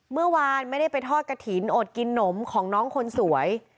เมื่อวานไม่ได้ไปทอดกระถิ่นอดกินนมของน้องคนสวย